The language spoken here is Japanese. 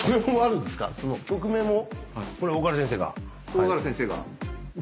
大河原先生が。